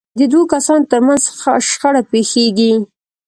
د دوو کسانو ترمنځ شخړه پېښېږي.